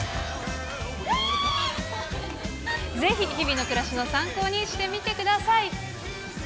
ぜひ日々の暮らしの参考にしてみてください。